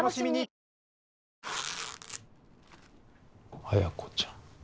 彩子ちゃん